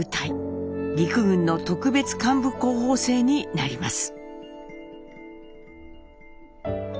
陸軍の特別幹部候補生になります。